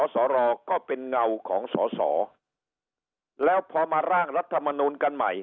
สรก็เป็นเงาของสอสอแล้วพอมาร่างรัฐมนูลกันใหม่